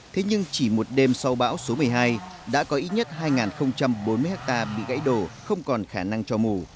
thế nhưng chỉ một đêm sau bão số một mươi hai đã có ít nhất hai bốn mươi hectare bị gãy đổ không còn khả năng cho mù